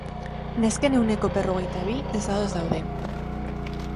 Nesken ehuneko berrogeita bi desados daude.